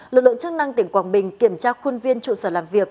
lực lượng chức năng tỉnh quảng bình kiểm tra khuôn viên trụ sở làm việc